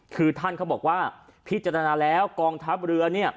คือท่านเขาบอกว่าพิจารณาแล้วกองทัพเรือเนี่ย